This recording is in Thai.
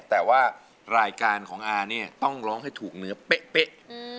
แต่ว่ารายการของอาเนี่ยต้องร้องให้ถูกเนื้อเป๊ะ